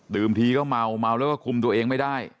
ทีก็เมาเมาแล้วก็คุมตัวเองไม่ได้